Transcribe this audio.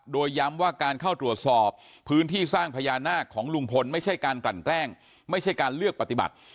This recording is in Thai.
โดยย้ำว่าการเข้าตรวจสอบพื้นที่สร้างพญานาคของลุงพลไม่ใช่การกลั่นแกล้งไม่ใช่การเลือกปฏิบัติ